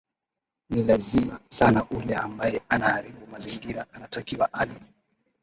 ni lazima sana ule ambae anaharibu mazingira anatakiwa ali